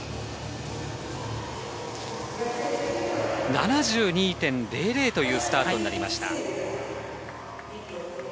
７２．００というスタートになりました。